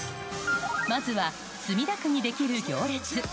まずは、墨田区にできる行列。